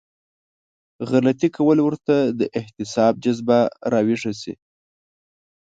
غلطي کول ورته د احتساب جذبه راويښه شي.